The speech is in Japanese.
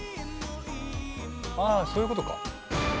あそういうことか。